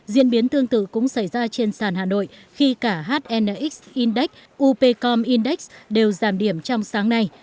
diễn biến tương tự cũng xảy ra trên sàn hà nội khi cả hnx index upcom index đều giảm điểm trong sáng nay